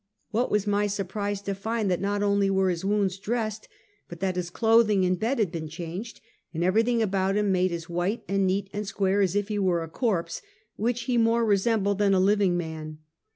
What was my surprise to find that not only were his wounds dressed, but that all his clothing and bed had been changed, and everything about him made as white and neat and square as if he were a corpse, which he more resembled than a living man.